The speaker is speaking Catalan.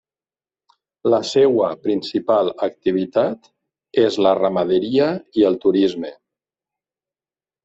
La seva principal activitat és la ramaderia i el turisme.